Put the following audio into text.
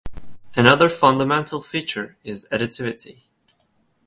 Another fundamental feature is additivity.